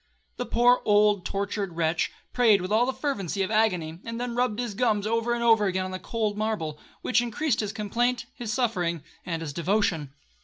1 The poor, old, tortured wretch, prayed with all the fervency of agony, and then rubbed his gums over and over again on the cold marble, which increased his complaint, his suffering, and his devotion.